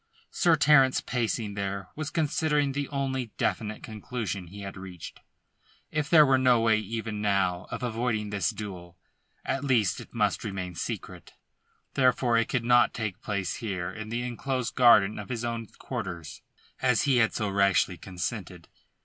Sir Terence, pacing there, was considering the only definite conclusion he had reached. If there were no way even now of avoiding this duel, at least it must remain secret. Therefore it could not take place here in the enclosed garden of his own quarters, as he had so rashly consented.